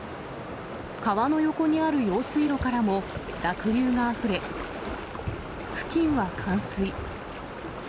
川の横にある用水路からも濁流があふれ、付近は冠水。